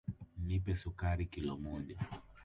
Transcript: Nipe sukari kilo moja.